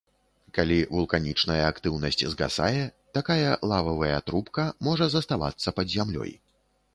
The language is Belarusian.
Калі вулканічная актыўнасць згасае, такая лававыя трубка можа заставацца пад зямлёй.